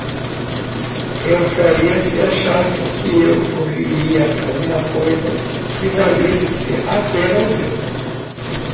Eu faria se achasse que eu ouviria alguma coisa que valesse a pena ouvir.